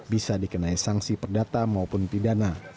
bisa dikenai sanksi perdata maupun pidana